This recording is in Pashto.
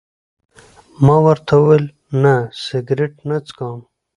ما ورته وویل: نه، سګرېټ نه څکوم.